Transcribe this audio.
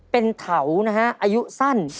เป็นเถานะฮะอายุสั้น